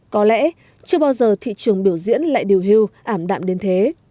có lẽ chưa bao giờ thị trường biểu diễn lại điều hưu ảm đạm đến thế